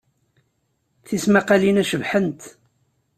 Tismaqqalin-a cebḥent.